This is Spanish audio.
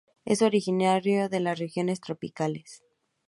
Es originario de las regiones tropicales.